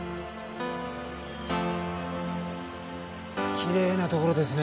きれいなところですね。